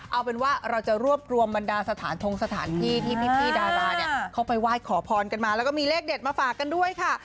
เอาเป็นว่าเราจะรวบรวมบรรดาสถานทงสถานที่ที่พี่ดาราเนี่ยเขาไปไหว้ขอพรกันมาแล้วก็มีเลขเด็ดมาฝากกันด้วยค่ะ